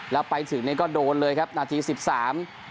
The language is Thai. แล้วไปถึงเนี้ยก็โดนเลยครับนาทีสิบสาม